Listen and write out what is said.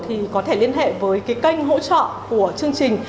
thì có thể liên hệ với cái kênh hỗ trợ của chương trình